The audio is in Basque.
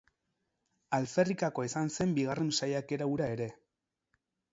Alferrikakoa izan zen bigarren saiakera hura ere.